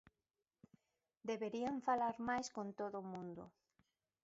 Deberían falar máis con todo o mundo.